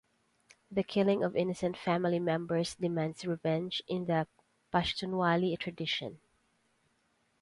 The killing of innocent family members demands revenge in the Pashtunwali tradition.